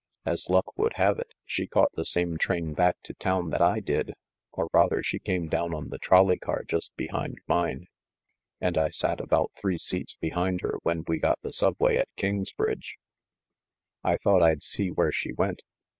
As luck would have it, she caught the same train back to town that I did, — or rather she came down on the trolley car just behind mine, — and I sat about three seats behind her when we got the subway at Kingsbridge. I thought I'd see where she went.